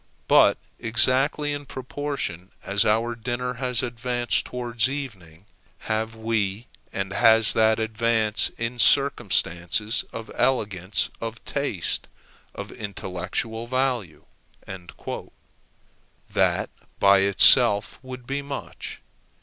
But exactly in proportion as our dinner has advanced towards evening, have we and has that advanced in circumstances of elegance, of taste, of intellectual value." That by itself would be much.